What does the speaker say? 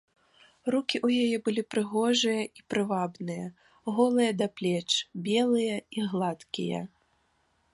Рукі ў яе былі прыгожыя і прывабныя, голыя да плеч, белыя і гладкія.